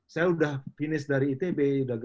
saya sudah finish dari itb